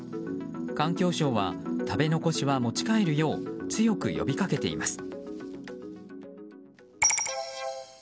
環境省は食べ残しは持ち帰るよう強く呼びかけています。